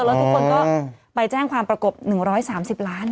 แล้วทุกคนก็ไปแจ้งความประกบ๑๓๐ล้าน